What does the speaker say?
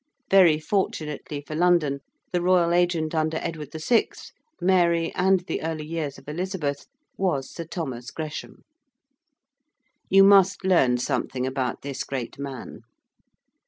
Very fortunately for London, the Royal Agent under Edward VI., Mary, and the early years of Elizabeth, was Sir Thomas Gresham. You must learn something about this great man.